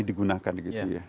ini digunakan gitu ya